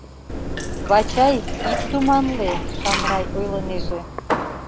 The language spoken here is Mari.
— Вачай, ит туманле, Шамрай ойлынеже...